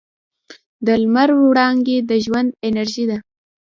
د لمر وړانګې د ژوند انرژي ده.